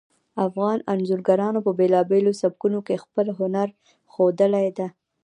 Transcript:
افغان انځورګرانو په بیلابیلو سبکونو کې خپل هنر ښودلی ده